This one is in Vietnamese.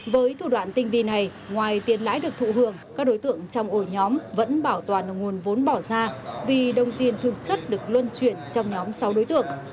với thủ đoạn tinh vi này ngoài tiền lãi được thụ hưởng các đối tượng trong ổ nhóm vẫn bảo toàn nguồn vốn bỏ ra vì đồng tiền thực chất được luân chuyển trong nhóm sáu đối tượng